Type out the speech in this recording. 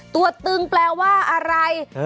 ตึงแปลว่าอะไร